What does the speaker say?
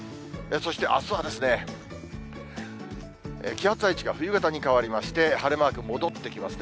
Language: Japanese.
そして、あすはですね、気圧配置が冬型に変わりまして、晴れマーク戻ってきますね。